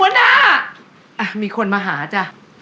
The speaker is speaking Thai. หัวหน้ามีคนมาหาจ้ะ